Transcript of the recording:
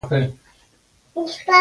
که کوم څوک خپل دښمن درته واېسي.